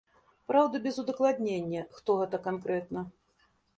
Праўда, без удакладнення, хто гэта канкрэтна.